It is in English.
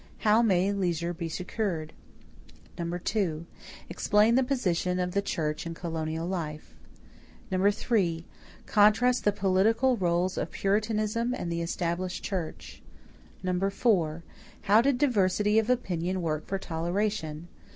How may leisure be secured? 2. Explain the position of the church in colonial life. 3. Contrast the political rôles of Puritanism and the Established Church. 4. How did diversity of opinion work for toleration?